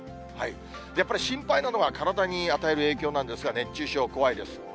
やっぱり心配なのは、体に与える影響なんですが、熱中症怖いです。